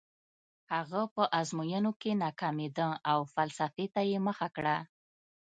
هغه په ازموینو کې ناکامېده او فلسفې ته یې مخه کړه